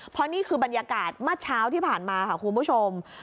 เพราะนี่คือบรรยากาศเมื่อเช้าที่ผ่านมาค่ะคุณผู้ชม